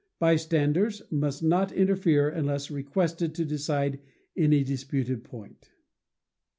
Bystanders must not interfere unless requested to decide any disputed point.